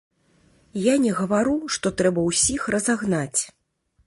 Я не гавару, што трэба ўсіх разагнаць.